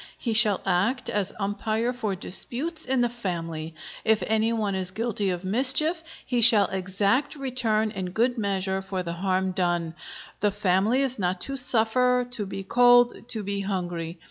He shall act as umpire for disputes in the family. If any one is guilty of mischief, he shall exact return in good measure for the harm done. The family is not to suffer, to be cold, to be hungry.